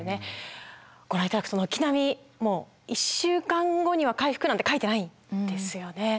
ご覧頂くと軒並みもう１週間後には回復なんて書いてないんですよね。